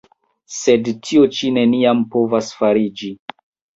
Sed tio ĉi neniam povas fariĝi!